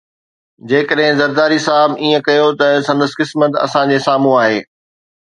جيڪڏهن زرداري صاحب ائين ڪيو ته سندس قسمت اسان جي سامهون آهي.